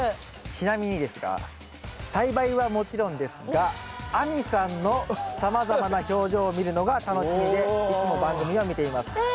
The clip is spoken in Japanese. ちなみにですが「栽培はもちろんですが亜美さんのさまざまな表情を見るのが楽しみでいつも番組を見ています」。